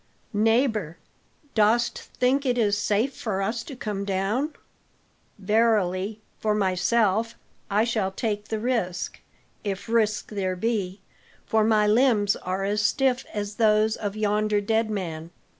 "Neighbor, dost think it is safe for us to come down? Verily, for myself, I shall take the risk, if risk there be, for my limbs are as stiff as those of yonder dead man."